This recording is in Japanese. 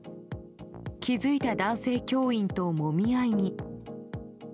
気づいた男性教員ともみ合いに。